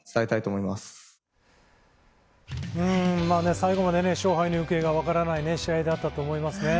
最後まで勝敗の行方が分からない試合だったと思います。